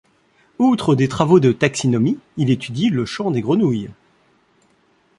Outre des travaux de taxinomie, il étudie le chant des grenouilles.